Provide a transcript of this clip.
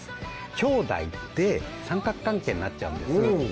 兄弟で三角関係になっちゃうんです